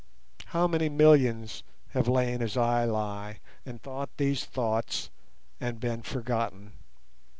How many millions have lain as I lie, and thought these thoughts and been forgotten!